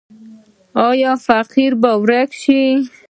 آیا فقر به ورک شي؟